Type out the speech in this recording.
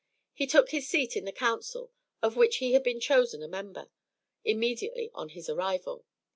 He took his seat in the council, of which he had been chosen a member, immediately on his arrival.